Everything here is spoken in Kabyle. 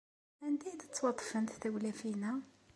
Anda i d-ttwaṭṭfent tewlafin-a?